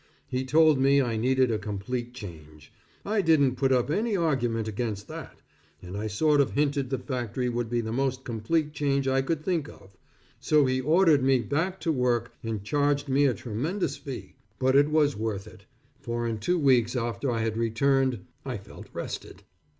He told me I needed a complete change. I didn't put up any argument against that, and I sort of hinted the factory would be the most complete change I could think of; so he ordered me back to work and charged me a tremendous fee, but it was worth it, for in two weeks after I had returned, I felt rested.